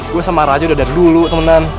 gue sama raja udah dari dulu temenan